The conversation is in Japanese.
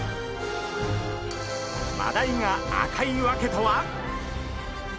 マダイが赤い訳とは！？